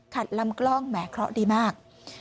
ลำกล้องแหมเคราะห์ดีมาก